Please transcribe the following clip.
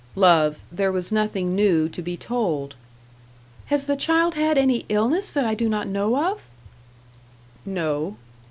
"Love there was nothing new to be told." "Has the child had any illness that I do not know of?" "No."